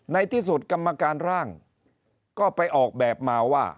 ในที่สุดกรรมการร่างก็ไปออกแบบมาว่า